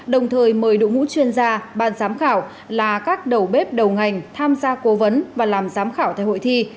đồng thời mời đội ngũ chuyên gia ban giám khảo là các đầu bếp đầu ngành tham gia cố vấn và làm giám khảo tại hội thi